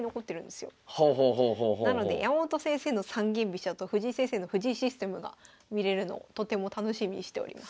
なので山本先生の三間飛車と藤井先生の藤井システムが見れるのをとても楽しみにしております。